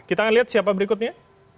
kita akan lihat siapa berikutnya